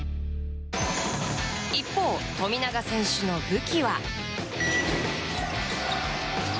一方、富永選手の武器は。